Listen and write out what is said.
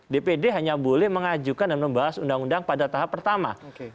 dpd hanya boleh mengajukan dan membahas undang undang pada tahap pertama